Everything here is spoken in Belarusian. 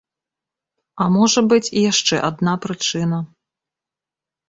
А можа быць і яшчэ адна прычына.